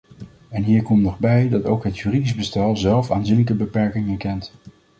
En hier komt nog bij dat ook het juridisch bestel zelf aanzienlijke beperkingen kent.